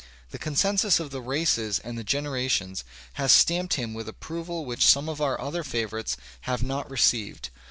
The consensus of the races and the generations has stamped him with approval which some of our other favourites have not received.